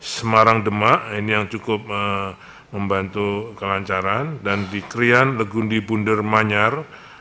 semarang demak ini yang cukup membantu kelancaran dan di krian legundi bunder manyar